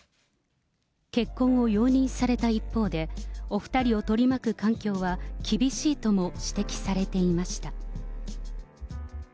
結婚を容認された一方で、お２人を取り巻く環境は厳しいとも指摘されていました。